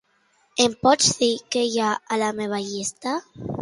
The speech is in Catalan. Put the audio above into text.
Em pots dir què hi ha a la meva llista?